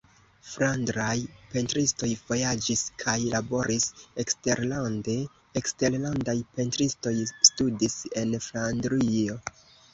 Flandraj pentristoj vojaĝis kaj laboris eksterlande; eksterlandaj pentristoj studis en Flandrio.